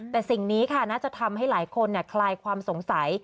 แต่สิ่งนี้ค่ะน่าจะทำให้หลายคนคลายความสงสัย